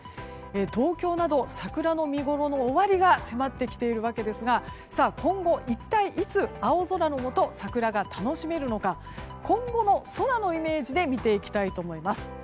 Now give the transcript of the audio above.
東京など、桜の見ごろの終わりが迫ってきているわけですが今後、一体いつ青空のもと桜が楽しめるのか今後の空のイメージで見ていきたいと思います。